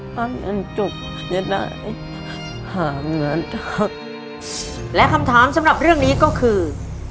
มันยังจบอย่าได้หาเงินและคำถามสำหรับเรื่องนี้ก็คือ